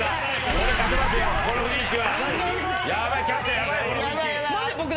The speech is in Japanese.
この雰囲気。